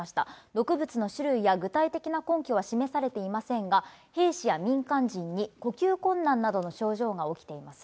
毒物の種類や具体的な根拠は示されていませんが、兵士や民間人に呼吸困難などの症状が起きています。